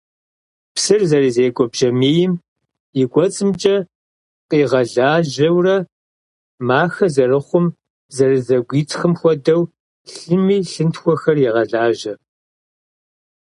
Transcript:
Псыр зэрызекӏуэ бжьамийм и кӏуэцӏымкӏэ къигъэлажьэурэ махэ зэрыхъум, зэрызэгуитхъым хуэдэу, лъыми лъынтхуэхэр егъэлажьэ.